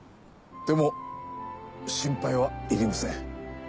でも心配はいりません。